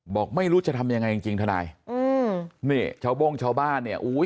บอกไม่รู้จะทำยังไงจริงจริงทนายอืมนี่ชาวโบ้งชาวบ้านเนี่ยอุ้ย